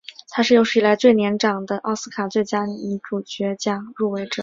她是有史以来最年长的奥斯卡最佳女主角奖入围者。